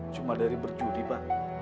cuma dari berjudi pak